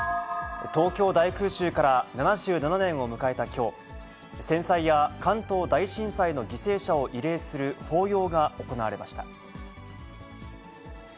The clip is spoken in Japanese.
東京大空襲から７７年を迎えたきょう、戦災や関東大震災の犠牲者を慰霊する法要が行われました。